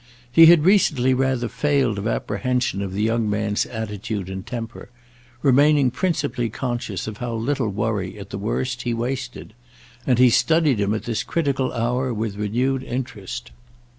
He had recently rather failed of apprehension of the young man's attitude and temper—remaining principally conscious of how little worry, at the worst, he wasted, and he studied him at this critical hour with renewed interest.